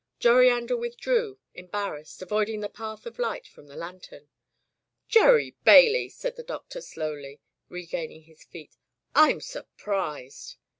Joriander withdrew, embarrassed, avoid ing the path of light from the lantern. "Gerry Bailey!" said the Doctor, slowly regaining his feet, "Tm surprised!'